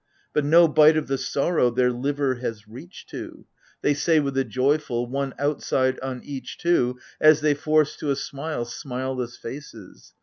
But no bite of the sorrow their liver has reached to : AGAMEMNON. 65 They say with the joyful, — one outside on each, too, As they force to a smile smileless faces.